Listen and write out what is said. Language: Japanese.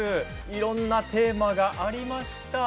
いろいろなテーマがありました。